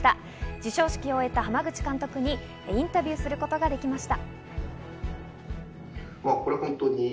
授賞式を終えた濱口監督にインタビューすることができました。